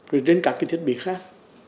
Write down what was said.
rồi đến các cái thiết bị khác